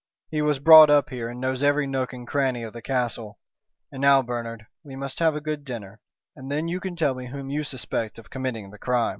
He was brought up here, and knows every nook and cranny of the castle. And now, Bernard, we must have a good dinner, and then you can tell me whom you suspect of committing the crime."